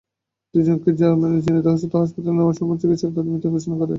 দুজনকে র্যাব ঝিনাইদহ সদর হাসপাতালে নেওয়ার পর চিকিৎসক তাঁদের মৃত ঘোষণা করেন।